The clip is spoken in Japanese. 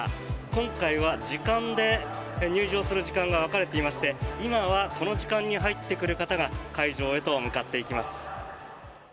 今回は時間で入場する時間が分かれていまして今はこの時間に入ってくる方が会場へと向かっていきます。